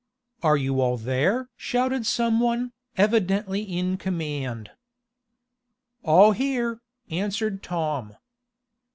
"Are you all there?" shouted some one, evidently in command. "All here," answered Tom.